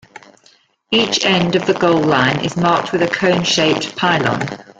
Each end of the goal line is marked with a cone-shaped pylon.